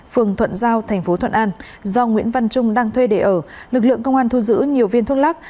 phường thuận giao thành phố thuận an do nguyễn văn trung đang thuê để ở lực lượng công an thu giữ nhiều viên thuốc lắc